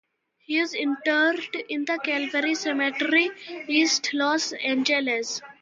He is interred in the Calvary Cemetery, East Los Angeles.